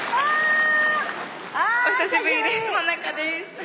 あ！お久しぶりです真香です。